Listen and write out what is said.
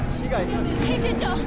編集長！